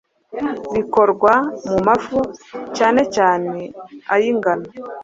bikorwa mu mafu cyane cyane ay’ingano.